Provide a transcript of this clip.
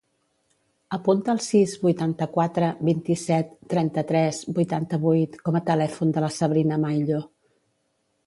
Apunta el sis, vuitanta-quatre, vint-i-set, trenta-tres, vuitanta-vuit com a telèfon de la Sabrina Maillo.